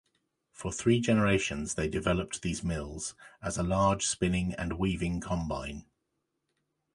For three generations they developed these mills, as a large spinning and weaving combine.